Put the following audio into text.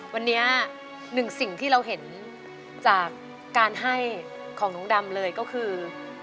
วันนี้หนึ่งสิ่งที่เราเห็นจากการให้ของน้องดำเลยก็คือ